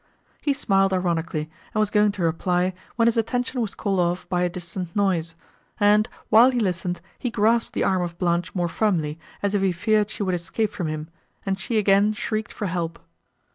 He smiled ironically, and was going to reply, when his attention was called off by a distant noise; and, while he listened, he grasped the arm of Blanche more firmly, as if he feared she would escape from him, and she again shrieked for help.